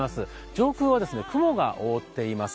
上空は雲が覆っています。